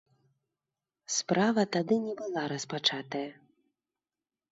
Справа тады не была распачатая.